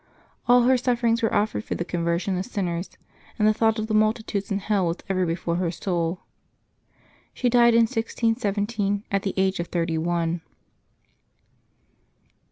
All her sufferings were offered for the conversion of sin ners, and the thought of the multitudes in hell was ever before her soul. She died in 1617, at the age of thirty one.